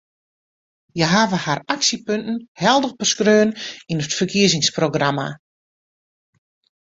Hja hawwe har aksjepunten helder beskreaun yn it ferkiezingsprogramma.